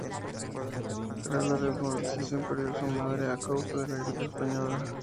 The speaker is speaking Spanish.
Tras la desmovilización perdió a su madre a causa de la gripe española.